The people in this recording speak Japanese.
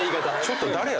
ちょっと誰や？